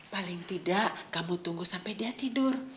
paling tidak kamu tunggu sampai dia tidur